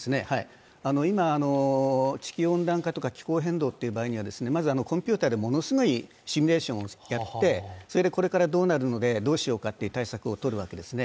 今、地球温暖化とか気候変動という場合にはコンピュータでものすごいシミュレーションをやってこれからどうなるのでどうしようかという対策を取るわけですね。